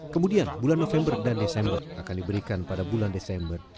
kemudian bulan november dan desember akan diberikan pada bulan desember